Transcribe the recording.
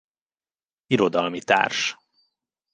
Irodalmi Társ.